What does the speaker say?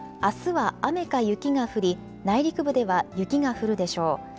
あすは雨か雪が降り、内陸部では雪が降るでしょう。